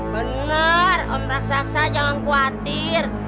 bener om reksa reksa jangan khawatir